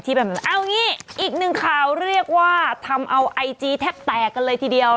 อีกหนึ่งข่าวเรียกว่าทำเอาไอจีแทบแตกกันเลยทีเดียว